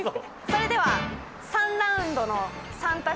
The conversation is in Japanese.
それでは３ラウンドの３択を。